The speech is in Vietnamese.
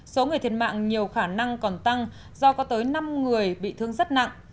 số người thiệt mạng nhiều khả năng còn tăng do có tới năm người bị thương rất nặng